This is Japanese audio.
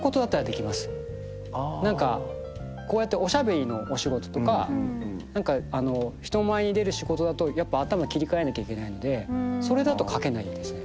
何かこうやっておしゃべりのお仕事とか何かあの人前に出る仕事だとやっぱ頭切り替えなきゃいけないのでそれだと書けないんですね。